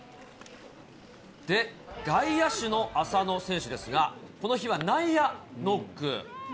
で、外野手の浅野選手ですが、この日は内野ノック。